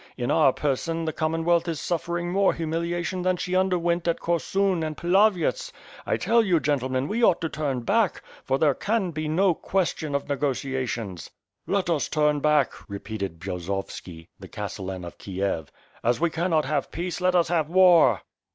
In our person, the Common wealth is suffering more humiliation than she underwent at Korsun and Pilavyete. I tell you, gentlemen, we ought to turn back, for there can be no question of negotiations." "Let us turn back," repeated Bjozovski, the Castellan of Kiev. "As we cannot have peace, let us have war!"